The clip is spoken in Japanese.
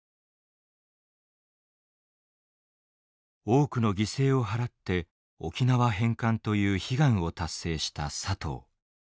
多くの犠牲を払って沖縄返還という悲願を達成した佐藤。